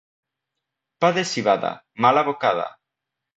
Pa de civada, mala bocada.